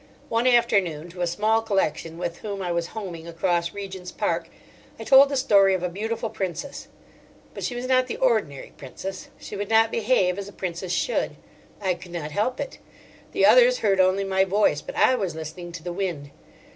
One afternoon, to a small collection with whom I was homing across Regent's Park, I told the story of a beautiful Princess. But she was not the ordinary Princess. She would not behave as a Princess should. I could not help it. The others heard only my voice, but I was listening to the wind.